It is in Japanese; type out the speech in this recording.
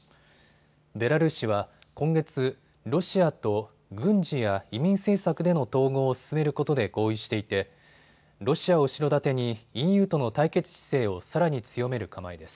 ベラルーシは今月、ロシアと軍事や移民政策での統合を進めることで合意していてロシアを後ろ盾にＥＵとの対決姿勢をさらに強める構えです。